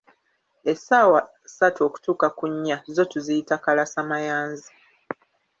Essaawa ssatu okutuuka ku nnya, zo tuziyita kalasa mayanzi.